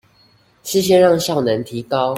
是先讓效能提高